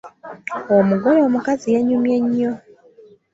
Omugole omukazi yanyumye nnyo.